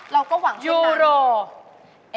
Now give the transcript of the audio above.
เราก็หวังว่า